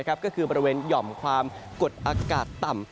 ก็คือบริเวณหย่อมความกดอากาศต่ำ